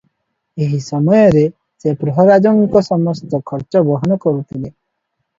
ଏହି ସମୟରେ ସେ ପ୍ରହରାଜଙ୍କ ସମସ୍ତ ଖର୍ଚ୍ଚ ବହନ କରୁଥିଲେ ।